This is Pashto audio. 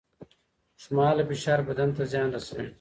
اوږدمهاله فشار بدن ته زیان رسوي.